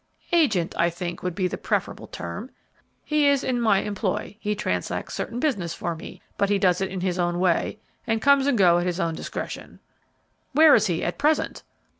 "Agent, I think, would be a preferable term. He is in my employ, he transacts certain business for me, but he does it in his own way, and comes and goes at his own discretion." "Where is he at present?"